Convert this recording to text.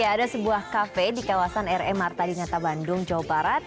ya ada sebuah kafe di kawasan r m marta di nyata bandung jawa barat